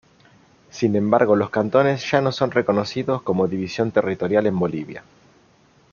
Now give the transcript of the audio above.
Sin embargo, los cantones ya no son reconocidos como división territorial en Bolivia.